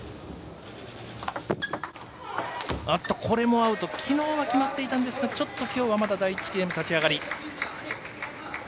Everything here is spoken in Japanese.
アウト、きのうは決まっていたんですがちょっときょうはまだ第１ゲーム立ち上がり。